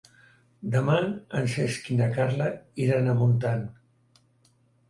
Demà en Cesc i na Carla iran a Montant.